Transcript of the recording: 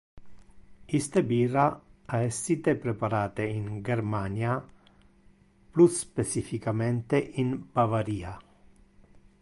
Iste bira ha essite preparate in Germania, plus specificamente in Bavaria.